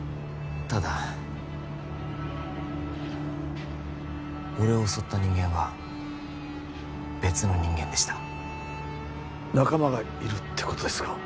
ただ俺を襲った人間は別の人間でした仲間がいるってことですか？